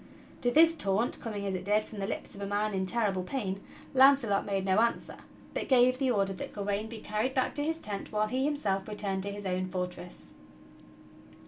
To this taunt, coming as it did from the lips of a man in terrible pain, Launcelot made no answer, but gave the order that Gawain be carried back to his tent while he himself returned to his own fort ress.